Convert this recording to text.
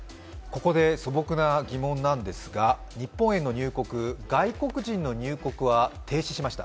素朴な疑問なんですが日本への入国外国人の入国は停止しました。